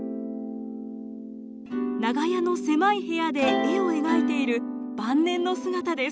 長屋の狭い部屋で絵を描いている晩年の姿です。